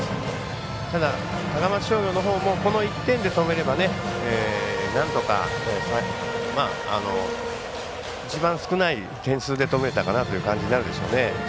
高松商業もこの１点で止めればなんとか、一番少ない点数で止めたかなという感じでしょうかね。